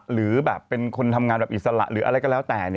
หรือแบบเป็นคนทำงานแบบอิสระหรืออะไรก็แล้วแต่